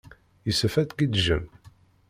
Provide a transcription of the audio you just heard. Yessefk ad tgiǧǧem.